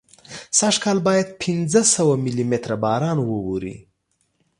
سږکال باید پینځه سوه ملي متره باران واوري.